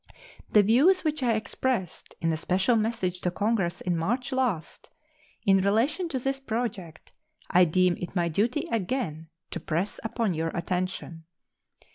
The views which I expressed in a special message to Congress in March last in relation to this project I deem it my duty again to press upon your attention.